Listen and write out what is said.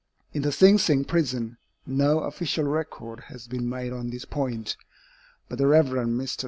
In the Sing Sing prison, no official record has been made on this point. But the Rev. Mr.